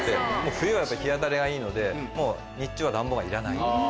冬は日当たりがいいので日中は暖房がいらない。